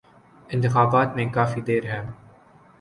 انتخابات میں کافی دیر ہے۔